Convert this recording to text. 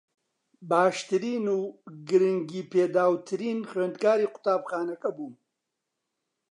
باشترین و گرنگی پێدراوترین خوێندکاری قوتابخانەکە بووم